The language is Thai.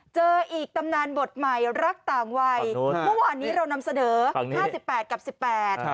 เจออีกตำนานบทใหม่รักต่างวัยเมื่อวานนี้เรานำเสนอห้าสิบแปดกับสิบแปด